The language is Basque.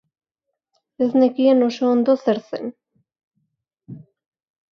Ez nekien oso ondo zer zen.